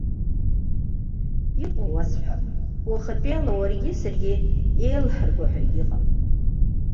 Иҟоу уасҳәап, уахатәи ала уаргьы саргьы еилҳарго ҳәа егьыҟам.